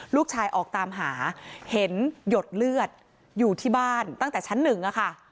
ลูกชายออกตามหาเห็นหยดเลือดอยู่ที่บ้านตั้งแต่ชั้นหนึ่งอะค่ะ